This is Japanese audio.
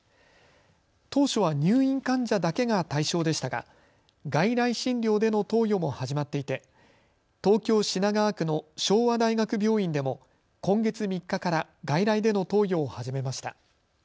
当初は入院患者だけが対象でしたが外来診療での投与も始まっていて東京品川区の昭和大学病院でも今月３日から外来での投与を始めました。